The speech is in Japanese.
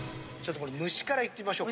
これ蒸しからいってみましょうか。